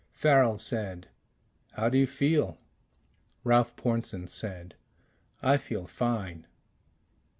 Farrel said, "How do you feel?" Ralph Pornsen said, "I feel fine."